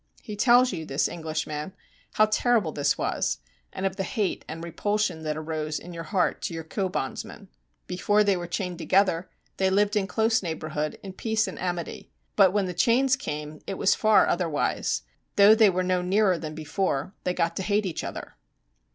He tells you, this Englishman, how terrible this was, and of the hate and repulsion that arose in your heart to your co bondsman. Before they were chained together they lived in close neighbourhood, in peace and amity; but when the chains came it was far otherwise, though they were no nearer than before. They got to hate each other.